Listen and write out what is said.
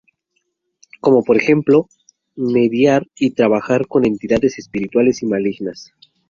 Como por ejemplo, mediar y trabajar con entidades espirituales malignas.